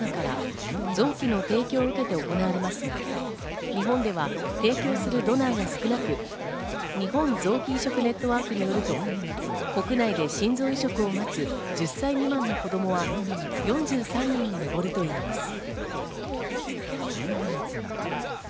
心臓の移植手術は脳死状態になったドナーから臓器の提供を受けて行われますが、日本では提供するドナーが少なく、日本臓器移植ネットワークによると、国内で心臓移植を待つ１０歳未満の子供は４３人に上るといいます。